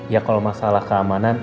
ya kalau masalah keamanan